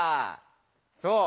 そう。